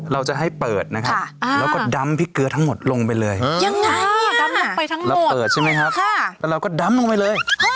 ยังไงฮะดำลังไปทั้งหมดเราน่าก็ให้เปิดแล้วก็ดำลงไปเลย